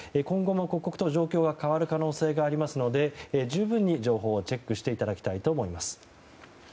今後も刻々と状況が変わる可能性がありますので十分に情報をチェックしていただきたいと思います。